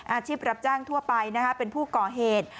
อาชีพรับจ้างทั่วไปเป็นผู้ก่อเหตุ